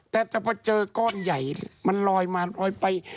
แต่จะพอเจอก้อนใหญ่มันลอยมาลอยไป